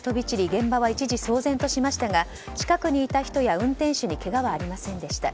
現場は一時騒然としましたが近くにいた人や運転手にけがはありませんでした。